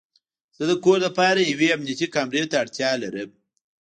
زه د کور لپاره یوې امنیتي کامرې ته اړتیا لرم